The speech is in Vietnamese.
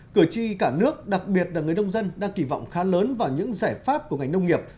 cử tri cả nước đặc biệt là người nông dân đang kỳ vọng khá lớn vào những giải pháp của ngành nông nghiệp